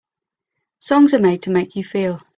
Songs are made to make you feel.